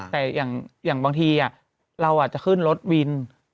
แต่อย่างบางทีเราจะขึ้นรถวิน